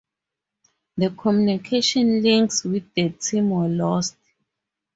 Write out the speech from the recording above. The communication links with the team were lost.